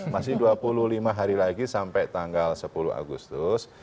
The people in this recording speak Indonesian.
masih dua puluh lima hari lagi sampai tanggal sepuluh agustus